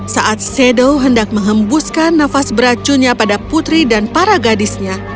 saat shadow hendak menghembuskan nafas beracunnya pada putri dan para gadisnya